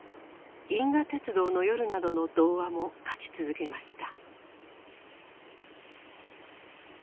「銀河鉄道の夜」などの童話も書き続けました。